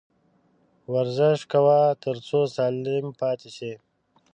ورزش کوه ، تر څو سالم پاته سې